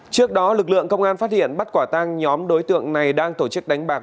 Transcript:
trước đó lực lượng công an phát hiện bắt quả tăng nhóm đối tượng này đang tổ chức đánh bạc